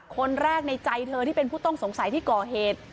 คนแรกในใจเธอที่เป็นผู้ต้องสงสัยที่ก่อเหตุ